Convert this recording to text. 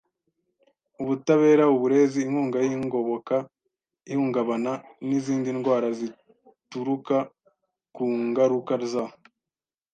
ubutabera uburezi inkunga y ingoboka ihungabana n izindi ndwara zituruka ku ngaruka za